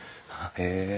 へえ。